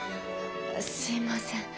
すいません